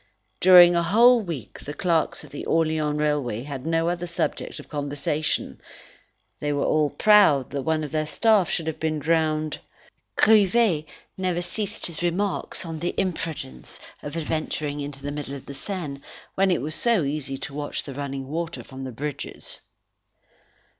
During a whole week the clerks at the Orleans Railway had no other subject of conversation: they were all proud that one of their staff should have been drowned. Grivet never ceased his remarks on the imprudence of adventuring into the middle of the Seine, when it was so easy to watch the running water from the bridges.